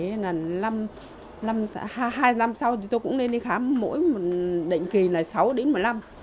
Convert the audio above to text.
thế là hai năm sau thì tôi cũng lên đi khám mỗi đệnh kỳ là sáu đến một năm